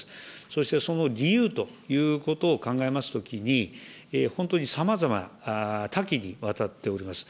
そして、その理由ということを考えますときに、本当にさまざま、多岐にわたっております。